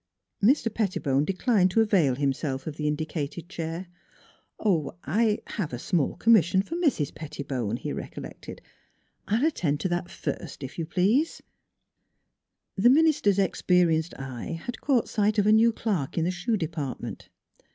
Mr. Pettibone declined to avail himself of the indicated chair. " er I have a small commis sion for Mrs. Pettibone," he recollected. " I will attend to that first, if you please." The minister's experienced eye had caught sight of a new clerk in the shoe department.